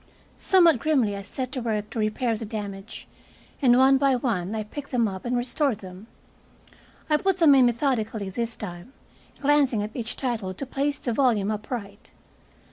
Somewhat grimly I set to work to repair the damage, and one by one I picked them up and restored them. I put them in methodically this time, glancing at each title to place the volume upright.